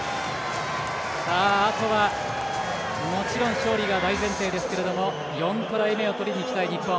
あとは、もちろん勝利が大前提ですけども４トライ目を取りにいきたい日本。